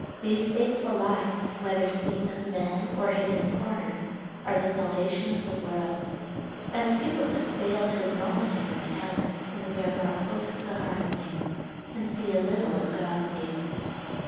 These faithful lives, whether seen of men or hidden in corners, are the salvation of the world, and few of us fail to acknowledge it in the hours when we are brought close to the heart of things, and see a little as God sees."